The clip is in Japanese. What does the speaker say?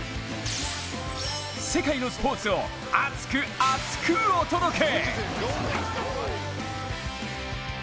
世界のスポーツを熱く厚くお届け。